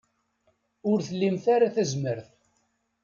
Ur tlimt ara tazmert.